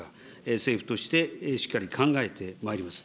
政府としてしっかり考えてまいります。